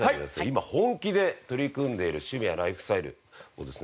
今本気で取り組んでいる趣味やライフスタイルをですね